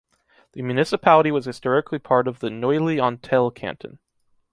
The municipality was historically part of the Neuilly-en-Thelle canton.